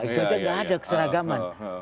itu aja gak ada keseragaman